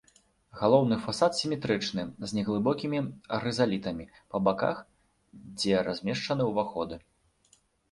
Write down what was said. Галоўны фасад сіметрычны, з неглыбокімі рызалітамі па баках, дзе размешчаны ўваходы.